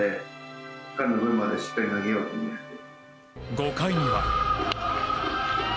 ５回には。